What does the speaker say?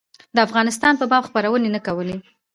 د افغانستان په باب خپرونې نه کولې.